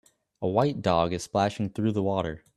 A white dog is splashing through the water